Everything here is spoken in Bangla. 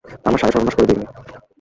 আমার সাড়ে সর্বনাশ করে দিয়ে গেল!